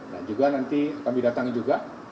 nah juga nanti kami datangi juga